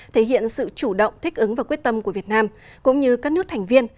thể hiện sự chủ động thích ứng và quyết tâm của việt nam cũng như các nước thành viên